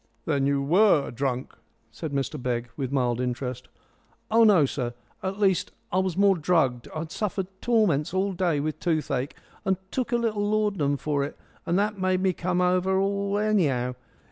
"Then you were drunk?" said Mr Begg with mild interest. "Oh, no, sir. At least it was more drugged. I'd suffered torments all day with toothache, and took a little laudanum for it, and that made me come over all anyhow.